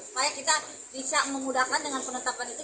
supaya kita bisa memudahkan dengan penetapan itu